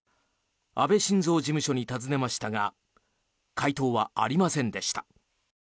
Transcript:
安倍晋三事務所に尋ねましたが回答はありませんでした。